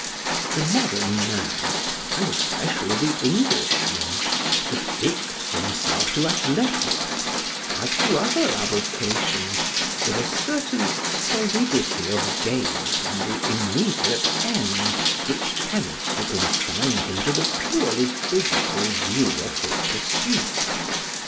The modern man, and especially the Englishman, addicts himself to athletics, as to other avocations, with a certain stolidity of gaze on the immediate end which tends to confine him to the purely physical view of his pursuit.